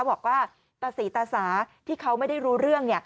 บอกว่าตาศรีตาสาที่เขาไม่ได้รู้เรื่อง